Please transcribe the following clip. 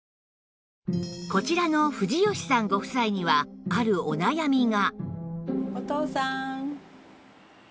こちらの藤好さんご夫妻にはあるお悩みが